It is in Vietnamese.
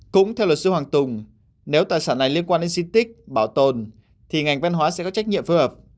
cũng theo luật sư hoàng tùng nếu tài sản này liên quan đến di tích bảo tồn thì ngành văn hóa sẽ có trách nhiệm phù hợp